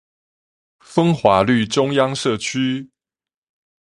風華綠中央社區